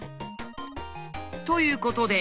ということで。